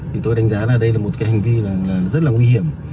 thì tôi đánh giá là đây là một cái hành vi là rất là nguy hiểm